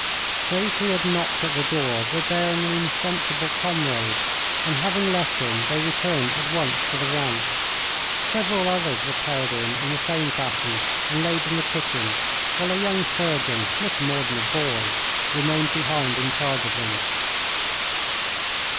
Those who had knocked at the door were bearing an insensible comrade, and having left him they returned at once to the ranks. Several others were carried in in the same fashion and laid in the kitchen, while a young surgeon, little more than a boy, remained behind in charge of them.